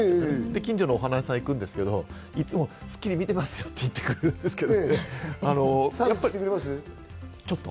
近所のお花屋さんに行くんですけど、いつも『スッキリ』見てますよって言ってくれるんですけど。